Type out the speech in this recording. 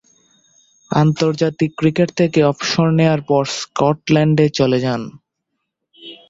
আন্তর্জাতিক ক্রিকেট থেকে অবসর নেয়ার পর স্কটল্যান্ডে চলে যান।